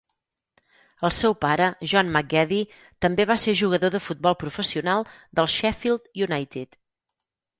El seu pare, John McGeady, també va ser jugador de futbol professional del Sheffield United.